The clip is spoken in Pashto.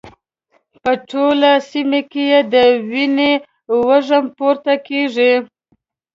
په ټوله سيمه کې د وینو وږم پورته کېږي.